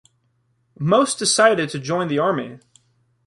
Most decided to join the army.